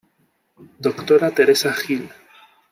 Doctora Teresa Gil